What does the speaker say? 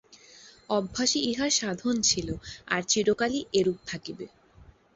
অভ্যাসই ইহার সাধন ছিল, আর চিরকালই এরূপ থাকিবে।